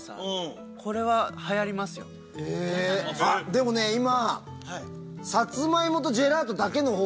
でもね今。